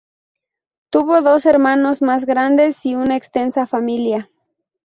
Tuvo dos hermanos más grandes y una extensa familia.